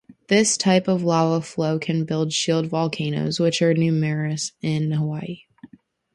This type of lava flow can build shield volcanoes, which are numerous in Hawaii.